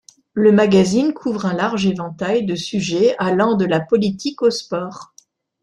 Le magazine couvre un large éventail de sujets allant de la politique aux sports.